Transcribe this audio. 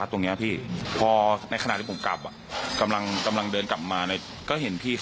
เอาอะไรเนี่ยมาแปะที่กระจกรถผมก็เลยถามว่าพี่ทำอะไรกับรถผม